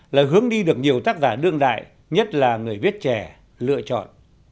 là hướng đi được nhiều tác giả đương đại nhất là người viết trẻ lựa chọn